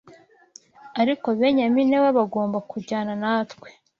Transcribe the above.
ariko Benyamini we agomba kujyana natwe